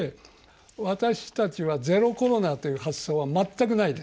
私たちはゼロコロナという発想は全くないです。